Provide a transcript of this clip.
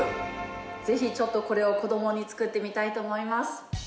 ぜひちょっとこれを子どもに作ってみたいと思います。